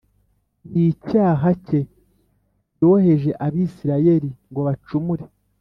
n’icyaha cye yoheje Abisirayeli ngo bacumure